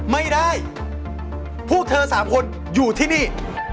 ไม่ได้พวกเธอสามคนอยู่ที่นี่